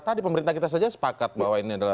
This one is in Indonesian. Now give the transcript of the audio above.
tadi pemerintah kita saja sepakat bahwa ini adalah